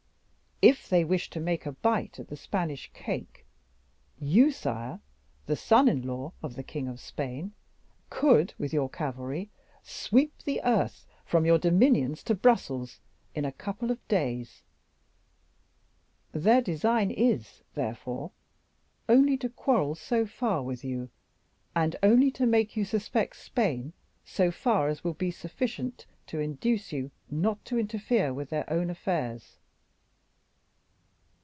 If they wish to make a bite at the Spanish cake, you, sire, the son in law of the king of Spain, could with your cavalry sweep the earth from your dominions to Brussels in a couple of days. Their design is, therefore, only to quarrel so far with you, and only to make you suspect Spain so far, as will be sufficient to induce you not to interfere with their own affairs."